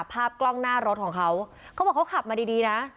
กล้องหน้ารถของเขาเขาบอกเขาขับมาดีดีนะ